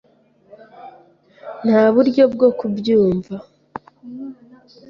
Nta buryo bwo kubyumva.